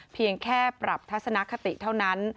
เพียงแค่ปรับทัศนคติเท่านั้น